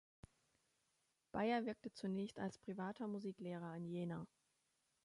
Beyer wirkte zunächst als privater Musiklehrer in Jena.